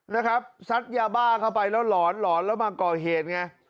นะครับซัดยาบ้าเข้าไปแล้วหลอนหลอนแล้วมาก่อเหตุไง